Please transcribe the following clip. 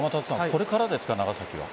これからですか、長崎は？